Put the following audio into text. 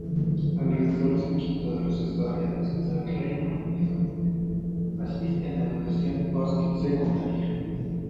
Alrededor de un quinto de los estudiantes del Reino Unido asisten a educación post-secundaria.